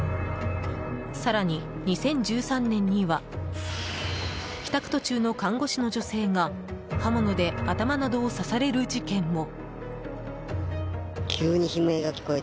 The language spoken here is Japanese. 更に、２０１３年には帰宅途中の看護師の女性が刃物で頭などを刺される事件も。